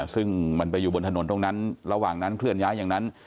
ซึ่งมันไปอยู่บนถนนตรงนั้นระหว่างนั้นเคลื่อนย้ายอย่างนั้น